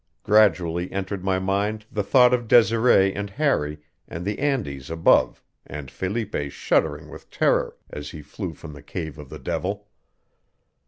Gradually entered my mind the thought of Desiree and Harry and the Andes above and Felipe shuddering with terror as he flew from the cave of the devil.